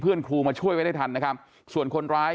เมื่อเวลามันกลายเป้าหมายแล้วมันกลายเป้าหมาย